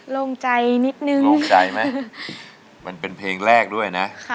ลงใจนิดนึงโล่งใจไหมมันเป็นเพลงแรกด้วยนะ